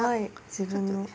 自分のわ。